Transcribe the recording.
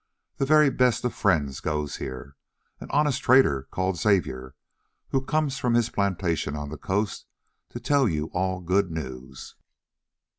"The very best of friends goes here. An honest trader called Xavier who comes from his plantation on the coast to tell you all good news."